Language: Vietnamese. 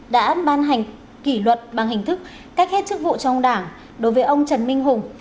đã ban hành kỷ luật bằng hình thức cách hết chức vụ trong đảng đối với ông trần minh hùng